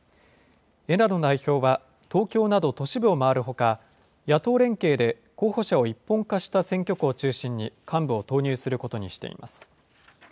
枝野代表は東京など都市部を回るほか、野党連携で候補者を一本化した選挙区を中心に幹部を投入することにしています。